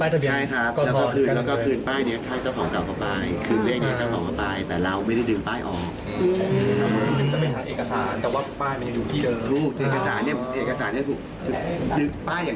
ติดมาพร้อมกับป้ายทะเบียน